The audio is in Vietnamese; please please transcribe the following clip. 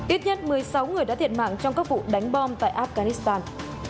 ít nhất một mươi sáu người đã thiệt mạng trong các vụ đánh bom tại afghanistan